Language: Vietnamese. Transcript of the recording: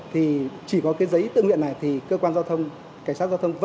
thì chỉ có cái giấy tự nguyện này thì cơ quan giao thông cảnh sát giao thông